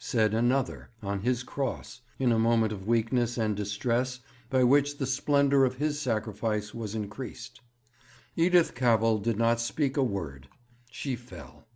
said Another on His cross, in a moment of weakness and distress by which the splendour of His sacrifice was increased. 'Edith Cavell did not speak a word; she fell.